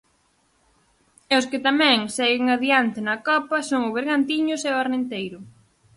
E os que tamén seguen adiante na Copa son o Bergantiños e o Arenteiro.